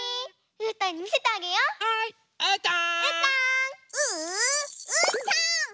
うーたん！